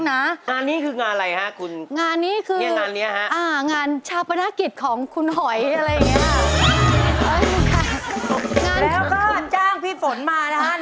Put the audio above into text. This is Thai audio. เล่นเต้นยังไงให้คุณพ่อหางานพี่ฝนต่อ